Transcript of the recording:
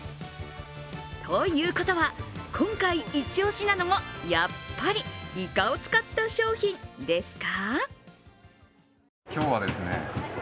ということは、今回イチオシなのもやっぱりイカを使った商品ですか？